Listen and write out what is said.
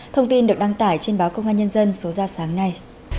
thông tin được đăng tải trên báo công an nhân dân số ra sáng nay